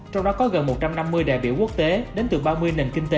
trong đó có gần một trăm năm mươi đại biểu quốc tế đến từ ba mươi nền kinh tế